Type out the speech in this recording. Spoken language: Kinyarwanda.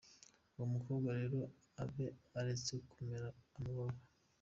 Uwo mukobwa rero Abe aretse kumera amababa.